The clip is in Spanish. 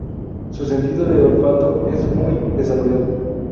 Su sentido del olfato es muy desarrollado.